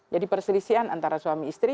jadi perselisian antara suami istri